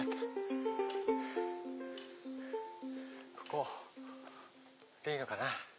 ここでいいのかな。